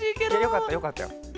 よかったよかったよ。